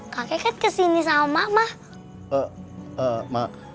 kakek kan kesini sama mah